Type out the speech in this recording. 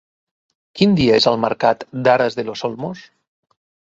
Quin dia és el mercat d'Aras de los Olmos?